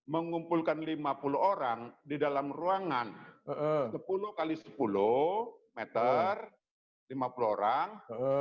mengumpulkan lima puluh orang di dalam ruangan sepuluh x sepuluh meter lima puluh orang